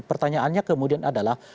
pertanyaannya kemudian adalah